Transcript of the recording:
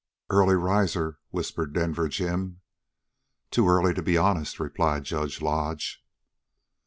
"Early riser," whispered Denver Jim. "Too early to be honest," replied Judge Lodge.